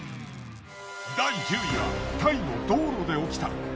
第１０位はタイの道路で起きた。